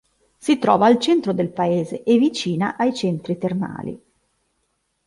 Si trova al centro del paese e vicina ai centri termali.